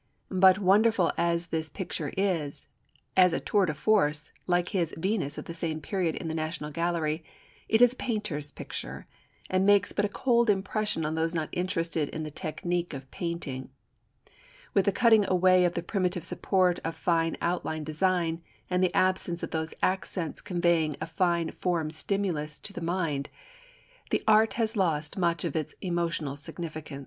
But wonderful as this picture is, as a "tour de force," like his Venus of the same period in the National Gallery, it is a painter's picture, and makes but a cold impression on those not interested in the technique of painting. With the cutting away of the primitive support of fine outline design and the absence of those accents conveying a fine form stimulus to the mind, art has lost much of its emotional significance. [Illustration: Plate XI.